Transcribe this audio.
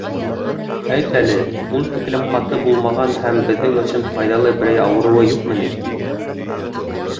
Әйт әле, ул тиклем ҡаты булмаған һәм беҙҙең өсөн файҙалы берәй ауырыуы юҡ мени?